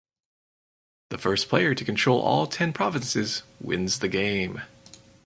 The first player to control all ten provinces wins the game.